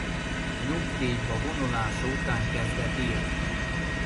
Nyugdíjba vonulása után kezdett írni.